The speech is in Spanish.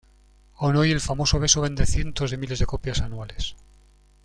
Aún hoy el famoso beso vende cientos de miles de copias anuales.